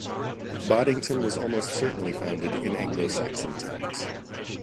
Boddington was almost certainly founded in Anglo-Saxon times.